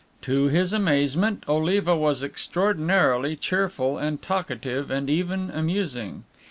To his amazement Oliva was extraordinarily cheerful and talkative and even amusing.